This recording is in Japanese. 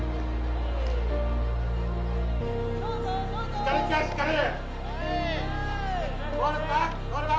・しっかり行けよしっかり！